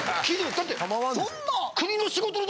だって。